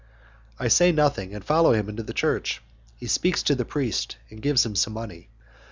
I say nothing and follow him into the church; he speaks to the priest, and gives him some money.